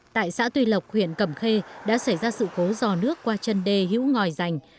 tại xã tuy lộc huyện cẩm khê đã xảy ra sự cố giò nước qua chân đê hữu ngòi rành